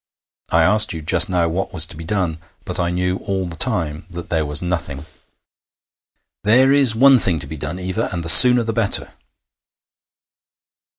I asked you just now what was to be done, but I knew all the time that there was nothing.' 'There is one thing to be done, Eva, and the sooner the better.'